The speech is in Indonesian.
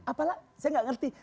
apalah saya nggak ngerti